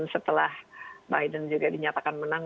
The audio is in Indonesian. setelah biden juga dinyatakan menang